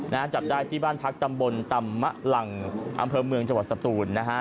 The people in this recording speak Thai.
จับได้ที่บ้านพักตำบลตำมะลังอำเภอเมืองจังหวัดสตูนนะฮะ